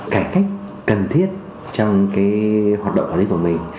cải cách cần thiết trong hoạt động quản lý của mình